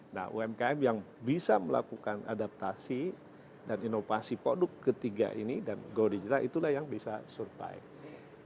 nah umkm yang bisa melakukan adaptasi dan inovasi produk ketiga ini dan go digital itulah yang bisa survive